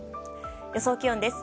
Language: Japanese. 予想気温です。